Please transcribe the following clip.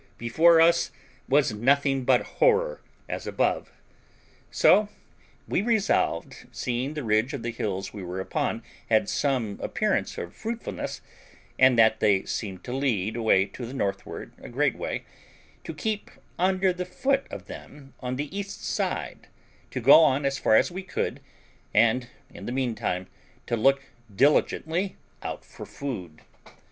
Before us was nothing but horror, as above; so we resolved, seeing the ridge of the hills we were upon had some appearance of fruitfulness, and that they seemed to lead away to the northward a great way, to keep under the foot of them on the east side, to go on as far as we could, and in the meantime to look diligently out for food.